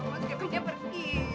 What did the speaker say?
mas kevinnya pergi